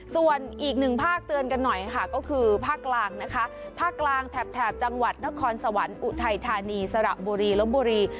ส่วนอีกหนึ่งภาคเตือนกันหน่อยค่ะก็คือภาคกลางนะคะภาคกลางแถบจังหวัดนครสวรรค์อุทัยธานีสระบุรีลบบุรี